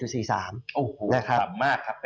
โอ้โหสำหรับมากครับ